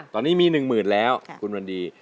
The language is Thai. ตอนนี้มี๑๐๐๐แล้วคุณวันดี